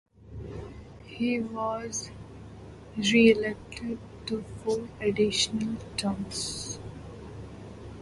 He was reelected to four additional terms.